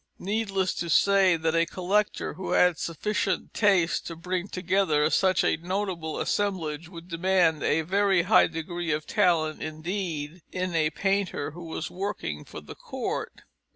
Needless to say that a collector, who had sufficient taste to bring together such a notable assemblage, would demand a very high degree of talent indeed in a painter who was working for the Court.